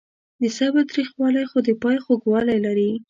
د صبر تریخوالی خو د پای خوږوالی لري.